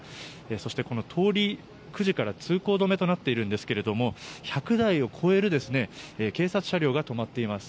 そして通りは９時から通行止めとなっているんですが１００台を超える警察車両が止まっています。